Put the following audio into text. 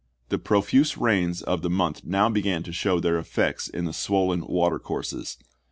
The profuse rains of the month now began to show their effects in the swollen water courses.